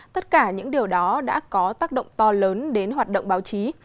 tất cả những điều đó đã có tác động to lớn đến hoạt động báo chí